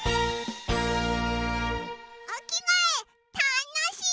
おきがえたのしい！